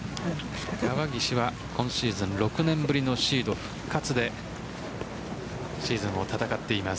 川岸は今シーズン６年ぶりのシード復活でシーズンを戦っています。